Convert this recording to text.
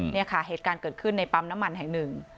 นี่ค่ะเหตุการณ์เกิดขึ้นในปั๊มน้ำมันแห่งหนึ่ง